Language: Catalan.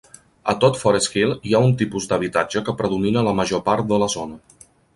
A tot Forest Hill, hi ha un tipus d'habitatge que predomina a la major part de la zona.